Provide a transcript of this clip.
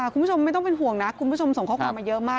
คุณผู้ชมไม่ต้องเป็นห่วงนะคุณผู้ชมส่งข้อความมาเยอะมาก